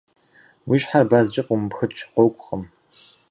Уи щхьэр базкӏэ фӏумыпхыкӏ, къокӏукъым.